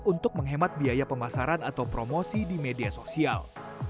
untuk menghemat biaya pemasaran atau promosi di media sosial